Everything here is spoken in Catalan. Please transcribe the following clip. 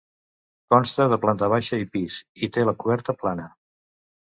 Consta de planta baixa i pis i té la coberta plana.